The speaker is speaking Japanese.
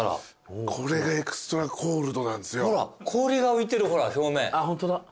ほら氷が浮いてるほら表面。